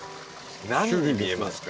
何に見えますか？